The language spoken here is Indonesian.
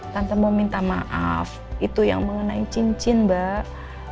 tante mau minta maaf itu yang mengenai cincin mbak